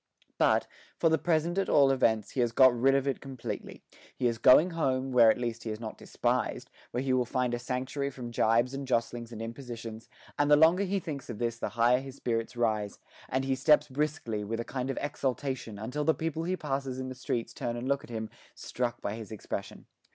But, for the present at all events, he has got rid of it completely; he is going home, where at least he is not despised, where he will find a sanctuary from gibes and jostlings and impositions; and the longer he thinks of this the higher his spirits rise, and he steps briskly, with a kind of exultation, until the people he passes in the streets turn and look at him, struck by his expression.